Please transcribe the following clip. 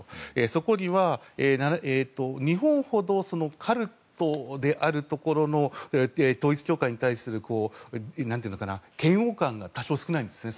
そこには日本ほどカルトであるところの統一教会に対する嫌悪感が多少少ないんですね。